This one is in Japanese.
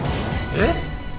えっ！？